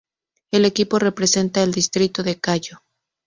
El equipo representa al Distrito de Cayo.